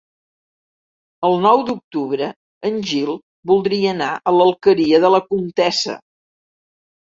El nou d'octubre en Gil voldria anar a l'Alqueria de la Comtessa.